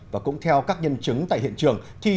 và cũng theo các nhân chứng tại hiện trường